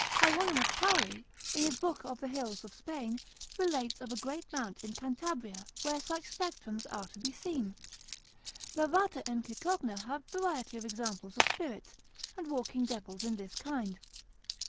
Hieronym. Pauli, in his book of the hills of Spain, relates of a great mount in Cantabria, where such spectrums are to be seen; Lavater and Cicogna have variety of examples of spirits and walking devils in this kind.